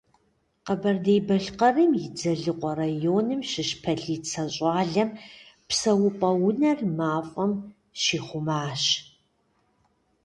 Къэбэрдей-Балъкъэрым и Дзэлыкъуэ районым щыщ полицэ щӏалэм псэупӀэ унэр мафӀэм щихъумащ.